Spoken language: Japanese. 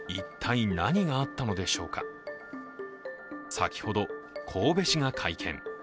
先ほど、神戸市が会見。